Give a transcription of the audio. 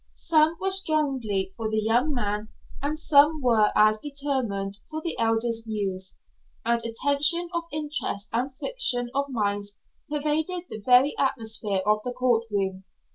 Some were strongly for the young man and some were as determined for the Elder's views, and a tension of interest and friction of minds pervaded the very atmosphere of the court room.